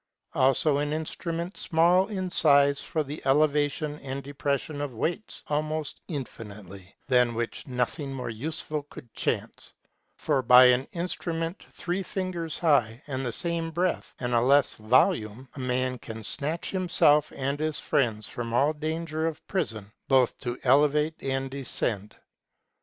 Also an instrument small in size for the elevation and depression of weights almost infinitely, than which nothing more useful could chance ; for by an instru ment three fingers high, and the same breadth, and a less vol ume, a man can snatch himself and his friends from all danger of prison, both to elevate and descend.